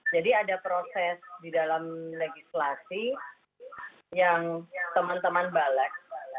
jadi ada proses di dalam legislasi yang teman teman balik